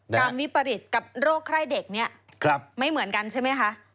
วิปริตกับโรคไข้เด็กเนี่ยไม่เหมือนกันใช่ไหมคะ